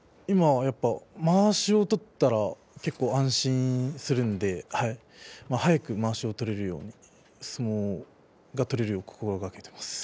まわしを取ったら結構安心するので早くまわしを取れるようにそういう相撲が取れるよう心がけています。